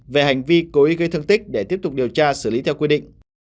về hành vi cố ý gây thương tích để tiếp tục điều tra xử lý theo quy định